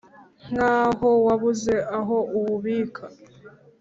nk ' aho wabuze aho uwubika